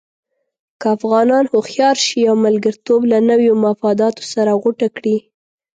که افغانان هوښیار شي او ملګرتوب له نویو مفاداتو سره غوټه کړي.